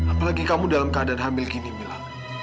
apalagi kamu dalam keadaan hamil gini mila